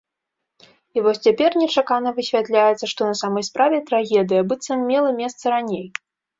І вось цяпер нечакана высвятляецца, што на самай справе трагедыя, быццам, мела месца раней.